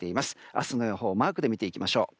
明日の予報をマークで見ていきます。